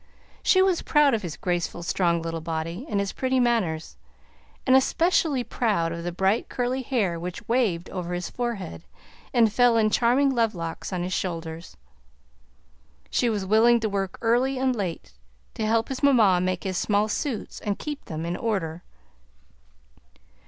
She was proud of his graceful, strong little body and his pretty manners, and especially proud of the bright curly hair which waved over his forehead and fell in charming love locks on his shoulders. She was willing to work early and late to help his mamma make his small suits and keep them in order.